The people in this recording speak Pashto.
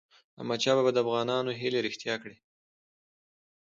احمدشاه بابا د افغانانو هیلې رښتیا کړی.